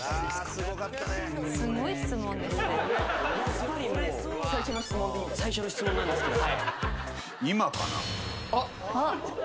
［そして］最初の質問なんですけど。